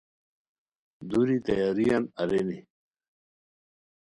دوری تیاریان ارینی